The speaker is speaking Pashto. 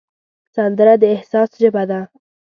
سندره د احساس ژبه ده